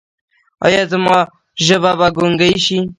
ایا زما ژبه به ګونګۍ شي؟